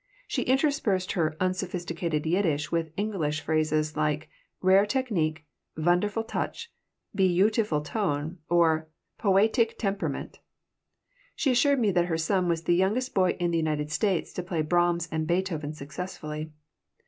She interspersed her unsophisticated Yiddish with English phrases like "rare technique," "vonderful touch," "bee youtiful tone," or "poeytic temperament." She assured me that her son was the youngest boy in the United States to play Brahms and Beethoven successfully.